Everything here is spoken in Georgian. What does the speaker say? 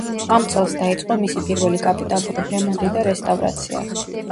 ამ წელს დაიწყო მისი პირველი კაპიტალური რემონტი და რესტავრაცია.